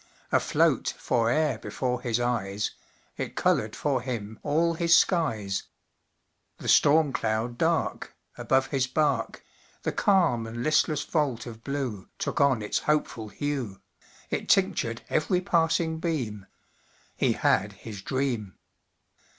Afloat fore'er before his eyes, It colored for him all his skies: The storm cloud dark Above his bark, The calm and listless vault of blue Took on its hopeful hue, It tinctured every passing beam He had his dream.